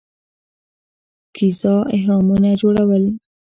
ګیزا اهرامونه جوړول.